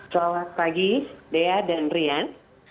selamat pagi dea dan rian